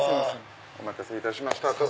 お待たせいたしました。